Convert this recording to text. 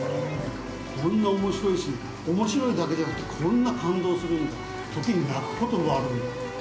こんなおもしろいしおもしろいだけじゃなくてこんな感動するんだ時に泣くこともあるんだ。